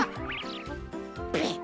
ペッ！